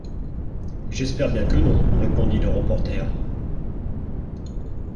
J’espère bien que non, répondit le reporter.